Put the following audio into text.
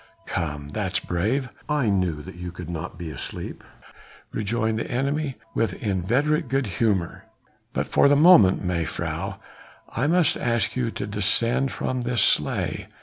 "Come! that's brave! I knew that you could not be asleep," rejoined the enemy with inveterate good humour, "but for the moment, mejuffrouw, I must ask you to descend from this sleigh.